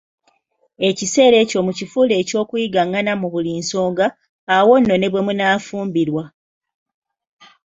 Ekiseera ekyo mukifuule eky'okuyigaŋŋana mu buli nsonga, awo nno ne bwemunaafumbirwa